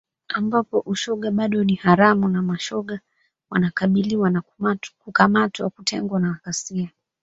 ambapo ushoga bado ni haramu na mashoga wanakabiliwa na kukamatwa, kutengwa na ghasia.